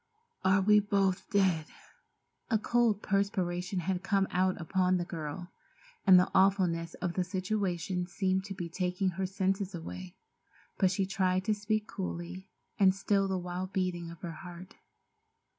"Are we both dead?" A cold perspiration had come out upon the girl, and the awfulness of the situation seemed to be taking her senses away, but she tried to speak coolly, and still the wild beating of her heart.